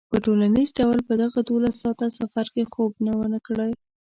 په ټولیز ډول په دغه دولس ساعته سفر کې خوب نه و کړی.